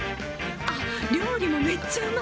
あっ料理もめっちゃうまい！